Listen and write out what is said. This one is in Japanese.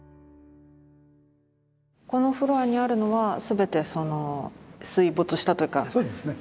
このフロアにあるのは全てその水没したというか。